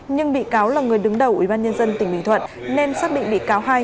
nhưng bị cáo là người đứng đầu ubnd tỉnh bình thuận nên xác định bị cáo hai